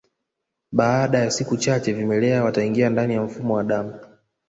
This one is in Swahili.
Baada ya siku chache vimelea wataingia ndani ya mfumo wa damu